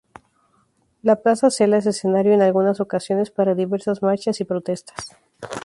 La Plaza Zela es escenario en algunas ocasiones para diversas marchas y protestas.